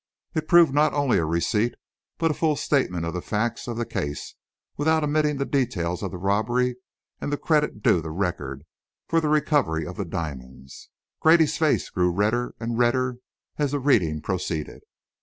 It proved to be not only a receipt, but a full statement of the facts of the case, without omitting the details of the robbery and the credit due the Record for the recovery of the diamonds. Grady's face grew redder and redder as the reading proceeded.